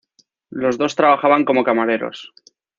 Los dos trabajaban como camareros.